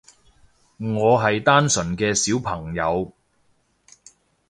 我係單純嘅小朋友